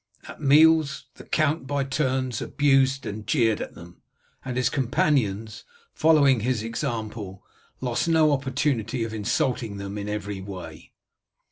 At meals the count by turns abused and jeered at them, and his companions, following his example, lost no opportunity of insulting them in every way.